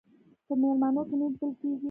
په میلمنو کې نه لیدل کېږي.